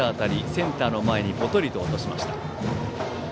センターの前にぽとりと落としました。